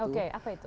oke apa itu